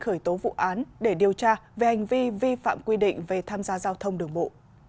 khởi tố vụ án để điều tra về hành vi vi phạm quy định về tham gia giao thông đường bộ